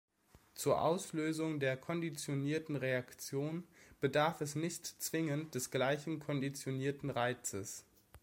Zur Auslösung der konditionierten Reaktion bedarf es nicht zwingend des gleichen konditionierten Reizes.